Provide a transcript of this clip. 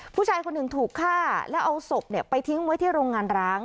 ผู้ชายคนหนึ่งถูกฆ่าแล้วเอาศพไปทิ้งไว้ที่โรงงานร้าง